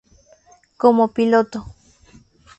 Como piloto